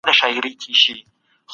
په ټولنه کي ډېر بدلونونه راغلل.